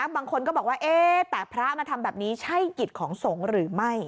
บางคนก็บอกว่าแต่พระมาทำแบบนี้ใช่กิจของสงฆ์หรือไม่